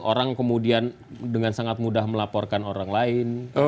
orang kemudian dengan sangat mudah melaporkan orang lain